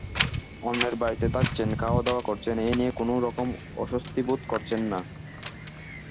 অন্যের বাড়িতে থাকছেন, খাওয়াদাওয়া করছেন-এ নিয়ে কোনো রকম অস্বস্তি বোধ করছেন না।